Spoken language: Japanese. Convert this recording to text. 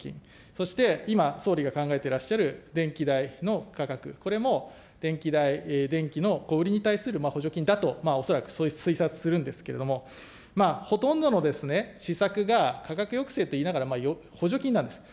そして今、総理が考えてらっしゃる電気代の価格、これも電気代、電気の小売りに対する補助金だと、恐らくそういう推察するんですけれども、ほとんどの施策が、価格抑制と言いながら補助金なんです。